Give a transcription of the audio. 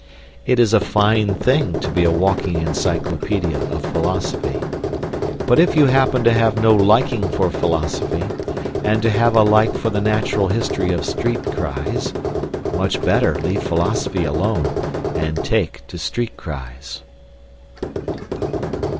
It is a fine thing to be a walking encyclopaedia of philosophy, but if you happen to have no liking for philosophy, and to have a like for the natural history of street cries, much better leave philosophy alone, and take to street cries.